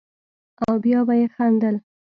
او بيا به يې خندل.